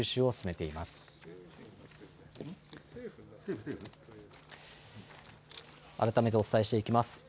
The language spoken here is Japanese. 改めてお伝えしていきます。